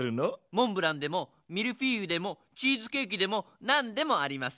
モンブランでもミルフィーユでもチーズケーキでも何でもあります。